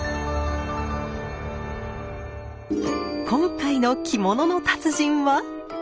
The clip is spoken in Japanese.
今回の着物の達人は。